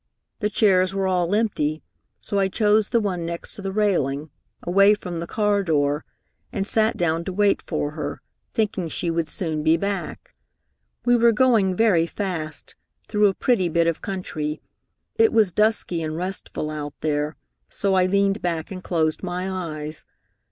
The chairs were all empty, so I chose the one next to the railing, away from the car door, and sat down to wait for her, thinking she would soon be back. "We were going very fast, through a pretty bit of country. It was dusky and restful out there, so I leaned back and closed my eyes.